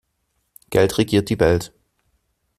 Geld regiert die Welt.